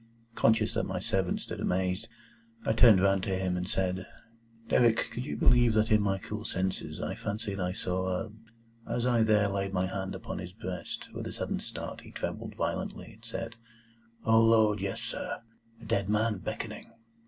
Conscious that my servant stood amazed, I turned round to him, and said: "Derrick, could you believe that in my cool senses I fancied I saw a —" As I there laid my hand upon his breast, with a sudden start he trembled violently, and said, "O Lord, yes, sir! A dead man beckoning!"